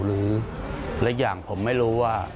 หรืออย่างผมไม่รู้ว่า